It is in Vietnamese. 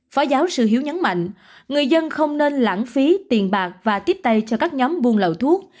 phó giáo sư hiếu nhấn mạnh người dân không nên lãng phí tiền bạc và tiếp tay cho các nhóm buôn lậu thuốc